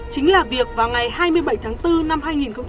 chính là việc vào ngày hai mươi bảy tháng bốn năm hai nghìn một mươi ba